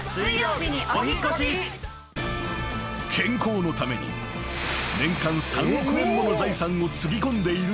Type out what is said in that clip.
［健康のために年間３億円もの財産をつぎ込んでいるセレブ］